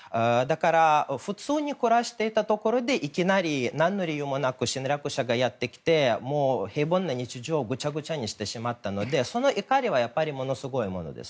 普通に暮らしていたところでいきなり何の理由もなく侵略者がやってきて平凡な日常をぐちゃぐちゃにしてしまったのでその怒りは、やはりものすごいものです。